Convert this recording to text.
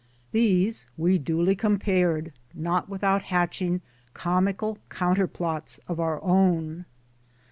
These we duly compared not without hatching comical counterplots of our own.